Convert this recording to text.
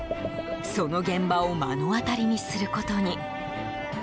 その現場を目の当たりにすることに。